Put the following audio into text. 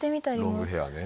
ロングヘアね。